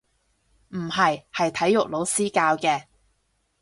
唔係，係體育老師教嘅